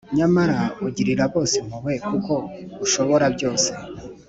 Nyamara ugirira bose impuhwe kuko ushobora byose,